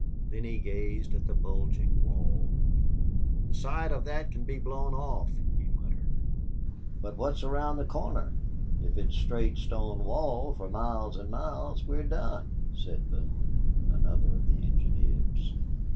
Then he gazed at the bulging wall. "The side of that can be blown off," he muttered. "But what's around the corner? If it's straight stone wall for miles and miles we are done," said Boone, another of the engineers.